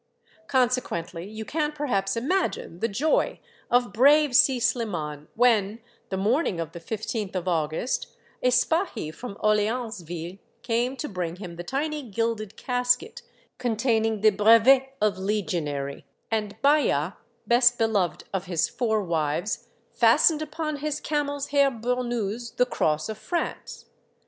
Conse quently you can perhaps imagine the joy of brave 148 Monday Tales, Si Sliman when, the morning of the 15th of August, a spahi from Orleansville came to bring him the tiny gilded casket containing the brevet of Legionary, and Bai'a, best beloved of his four wives, fastened upon his camel's hair burnous the cross of France.